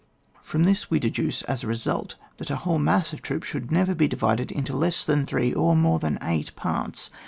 h. From this we deduce as a result, that a whole mass of troops should never be divided into less than three, or more than eight parts.